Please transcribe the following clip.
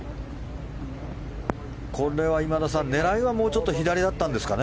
これは今田さん狙いはもうちょっと左だったんですかね。